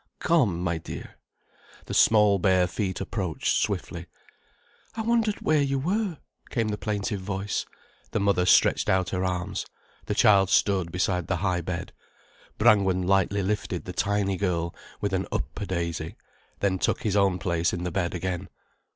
"Come, my dear." The small bare feet approached swiftly. "I wondered where you were," came the plaintive voice. The mother stretched out her arms. The child stood beside the high bed. Brangwen lightly lifted the tiny girl, with an "up a daisy", then took his own place in the bed again.